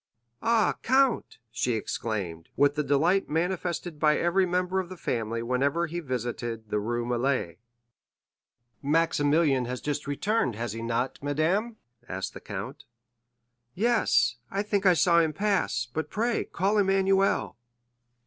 "Ah, count," she exclaimed, with the delight manifested by every member of the family whenever he visited the Rue Meslay. "Maximilian has just returned, has he not, madame?" asked the count. 50123m "Yes, I think I saw him pass; but pray, call Emmanuel."